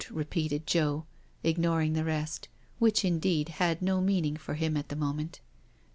repeated Joe, ignoring the rest, which indeed had no meaning for him at the moment.